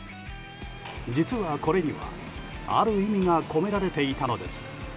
実はこれには、ある意味が込められていたのです。